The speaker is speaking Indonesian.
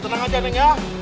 tenang aja neng ya